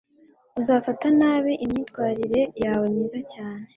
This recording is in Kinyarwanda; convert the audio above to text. Uzafata nabi imyitwarire yawe myiza cyane